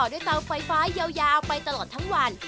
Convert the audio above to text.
เตาไฟฟ้ายาวไปตลอดทั้งวัน